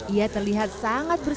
ia terlihat sangat bersih